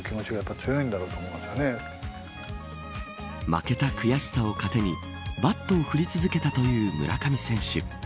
負けた悔しさを糧にバットを振り続けたという村上選手。